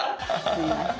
すいません。